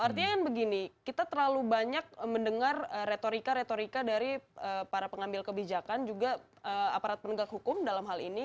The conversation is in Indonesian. artinya kan begini kita terlalu banyak mendengar retorika retorika dari para pengambil kebijakan juga aparat penegak hukum dalam hal ini